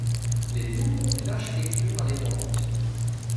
Les tours ont une architecture indépendante.